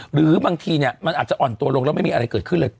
หรือบางทีมันอาจจะอ่อนตัวลงแล้วไม่มีอะไรเกิดขึ้นเลย